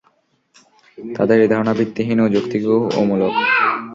তাদের এ ধারণা ভিত্তিহীন, অযৌক্তিক ও অমূলক।